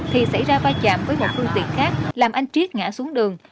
thì xảy ra va chạm với một phương tiện khác làm anh triết ngã xuống đường